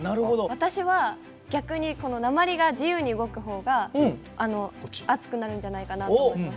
私は逆にこの鉛が自由に動くほうが熱くなるんじゃないかなと思います。